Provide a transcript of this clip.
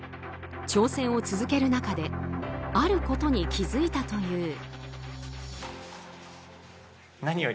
挑戦を続ける中であることに気づいたという。